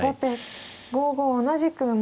後手５五同じく馬。